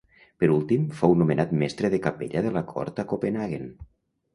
Per últim, fou nomenat mestre de capella de la cort a Copenhaguen.